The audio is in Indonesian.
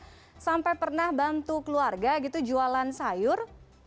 apakah sampai pernah bantu keluarga gitu jualan sayur